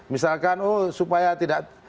misalkan supaya tidak